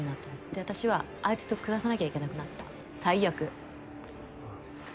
で私はあいつと暮らさなきゃいけなくなった最悪。